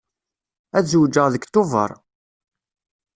Ad zewǧeɣ deg Tubeṛ.